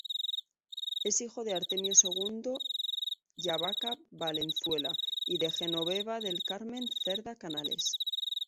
Es hijo de Artemio Segundo Ilabaca Valenzuela y de Genoveva del Carmen Cerda Canales.